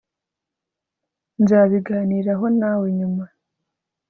nzabiganiraho nawe nyuma